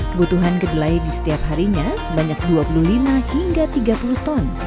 kebutuhan kedelai di setiap harinya sebanyak dua puluh lima hingga tiga puluh ton